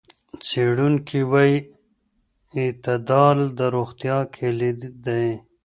څېړونکي وايي اعتدال د روغتیا کلید دی.